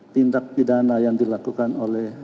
tindak pidana yang dilakukan oleh